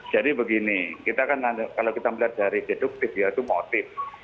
jadi begini kita kan kalau kita melihat dari deduktif ya itu motif